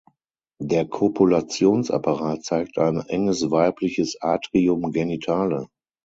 Der Kopulationsapparat zeigt ein enges weibliches Atrium genitale.